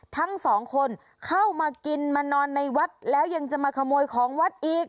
ทั้งสองคนเข้ามากินมานอนในวัดแล้วยังจะมาขโมยของวัดอีก